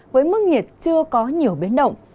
với mức nhiệt chưa có nhiều biến động